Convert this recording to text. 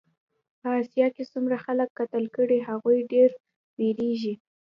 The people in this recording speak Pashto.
په اسیا کې څومره خلک قتل کړې هغوی ډېر وېرېږي.